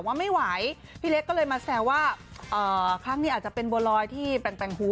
ว่าไม่ไหวพี่เล็กก็เลยมาแซวว่าครั้งนี้อาจจะเป็นบัวลอยที่แต่งหู